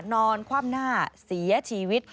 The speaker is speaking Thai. นอนคว่ำหน้าเสียชีวิต